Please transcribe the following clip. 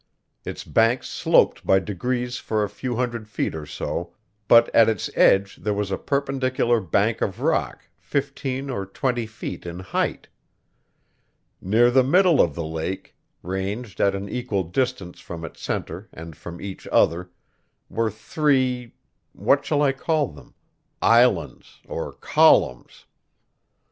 Its banks sloped by degrees for a hundred feet or so, but at its edge there was a perpendicular bank of rock fifteen or twenty feet in height. Near the middle of the lake, ranged at an equal distance from its center and from each other, were three what shall I call them? islands, or columns.